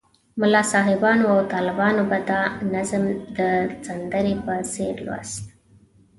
ملا صاحبانو او طالبانو به دا نظم د سندرې په څېر لوست.